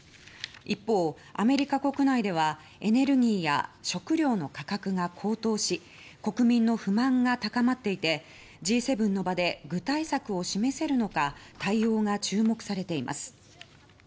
一方で、アメリカ国内ではエネルギーや食料の価格が高騰し国民の不満が高まっていてＧ７の場で具体策を示せるのか対応が注目されています。